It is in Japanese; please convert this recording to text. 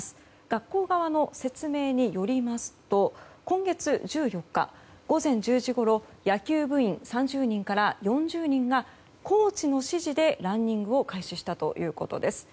学校側の説明によりますと今月１４日午前１０時ごろ野球部員３０人から４０人がコーチの指示でランニングを開始したということです。